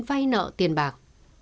vay nợ tiền bạc